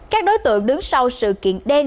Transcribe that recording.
các đối tượng đứng sau sự kiện đen